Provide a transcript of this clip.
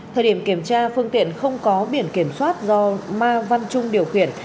thời điểm kiểm tra phương tiện không có biển kiểm soát do ma văn trung điều khiển